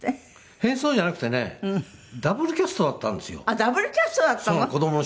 変装じゃなくてねダブルキャストだったんですよ。